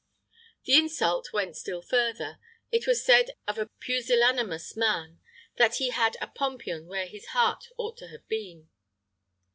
The insult went still further: it was said of a pusillanimous man, "That he had a pompion where his heart ought to have been."